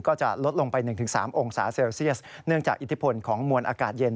ก็จะลดลงไป๑๓องศาเซลเซียสเนื่องจากอิทธิพลของมวลอากาศเย็น